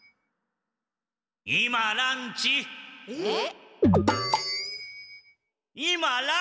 えっ？